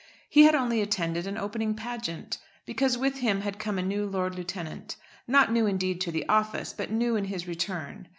He had only attended an opening pageant; because with him had come a new Lord Lieutenant, not new indeed to the office, but new in his return.